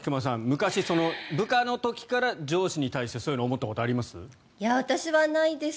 昔、部下の時から上司に対してそういうのを思ったことあります？